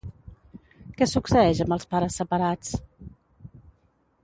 Què succeeix amb els pares separats?